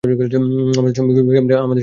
আমাদের সময়ে গেমটা এমন ছিলো না।